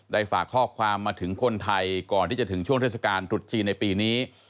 ฝากข้อความมาถึงคนไทยก่อนที่จะถึงช่วงเทศกาลตรุษจีนในปีนี้